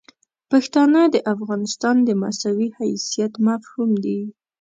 پښتانه د افغانستان د مساوي حیثیت مفهوم دي.